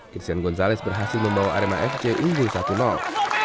christian gonzalez berhasil membawa arema fc unggul satu